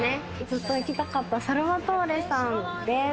ずっと行きたかったサルバトーレさんです。